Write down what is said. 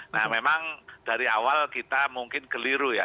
nah memang dari awal kita mungkin keliru ya